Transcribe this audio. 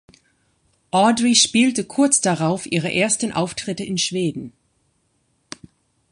Audrey spielte kurz darauf ihre ersten Auftritte in Schweden.